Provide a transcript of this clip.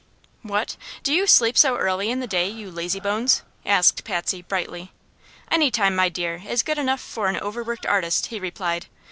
"What, do you sleep so early in the day, you lazy bones?" asked Patsy, brightly. "Any time, my dear, is good enough for an overworked artist," he replied.